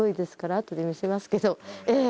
あとで見せますけどええ。